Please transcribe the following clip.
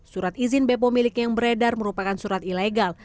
surat izin bpom miliknya yang beredar merupakan surat ilegal